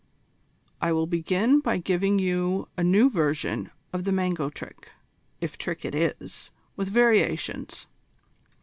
I will begin by giving you a new version of the mango trick, if trick it is, with variations.